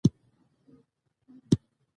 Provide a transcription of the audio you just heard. ځینې محصلین د خپلو ملګرو سره مشوره کوي.